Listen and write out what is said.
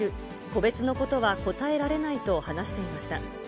個別のことは答えられないと話していました。